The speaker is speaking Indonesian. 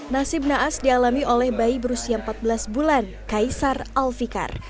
nasib naas dialami oleh bayi berusia empat belas bulan kaisar alfikar